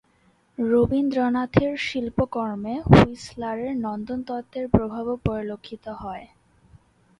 রবীন্দ্রনাথের শিল্পকর্মে হুইসলারের নন্দনতত্ত্বের প্রভাবও পরিলক্ষিত হয়।